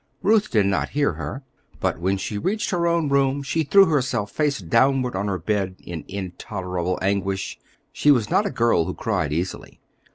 Ruth did not hear her; but when she reached her own room, she threw herself face downward on her bed in intolerable anguish. She was not a girl who cried easily.